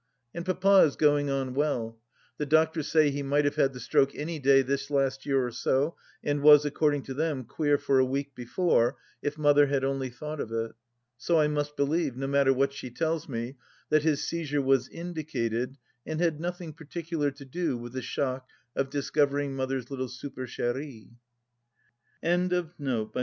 And Papa is going on well. The doctors say he might have had the stroke any day this last year or so, and was, according to them, queer for a week before, if Mother had only thought of it. So I must believe, no matter what she tells me, that his seizure was indicated, and had nothing particular to do with the shock of discovering Mother's little superchene.\ ...